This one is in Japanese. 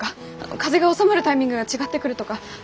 風が収まるタイミングが違ってくるとか何か。